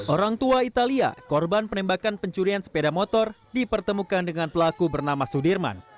orang tua italia korban penembakan pencurian sepeda motor dipertemukan dengan pelaku bernama sudirman